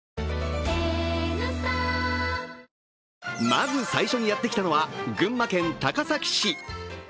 まず最初にやってきたのは群馬県高崎市。